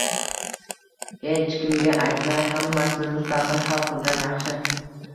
“hech kimga aytmay, hammasini mustaqil hal qilgan yaxshi”